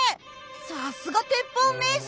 さすが鉄砲名人！